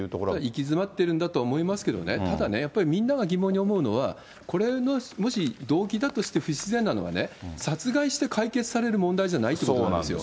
行き詰まってるんだとは思いますけどね、ただね、やっぱりみんなが疑問に思うのは、これの動機だとして不自然なのはね、殺害して解決される問題じゃないってことなんですよ。